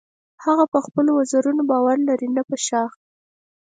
هغه په خپلو وزرونو باور لري نه په شاخ.